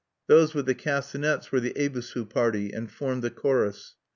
Those with the castanets were the Ebisu party and formed the chorus.